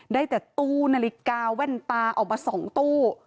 ได้แต่ตู้นาฬิกาแว่นตาออกมา๒ตู้